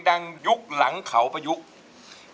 ชาวเพลงดังยุคหลังเขาประยุกเมือง